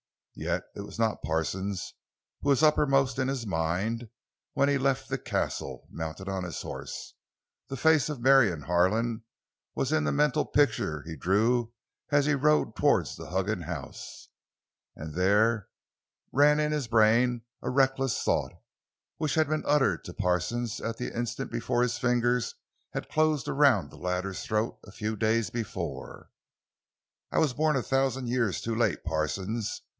Yet it was not Parsons who was uppermost in his mind when he left the Castle, mounted on his horse; the face of Marion Harlan was in the mental picture he drew as he rode toward the Huggins house, and there ran in his brain a reckless thought—which had been uttered to Parsons at the instant before his fingers had closed around the latter's throat a few days before: "I was born a thousand years too late, Parsons!